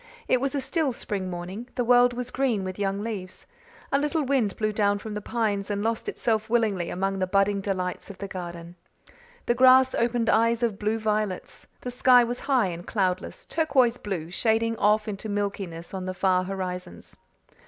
It was a still spring morning; the world was green with young leaves; a little wind blew down from the pines and lost itself willingly among the budding delights of the garden. The grass opened eyes of blue violets. The sky was high and cloudless, turquoise blue, shading off into milkiness on the far horizons.